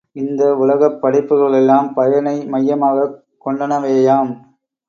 இந்த உலகப் படைப்புகளெல்லாம் பயனை மையமாகக் கொண்டனவேயாம்.